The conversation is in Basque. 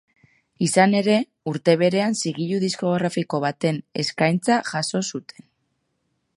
Izan ere, urte berean zigilu diskografiko baten eskaintza jaso zuten.